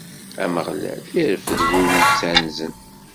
Ameɣlal ireffed wid yettanzen.